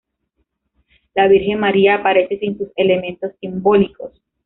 La Virgen María aparece sin sus elementos simbólicos.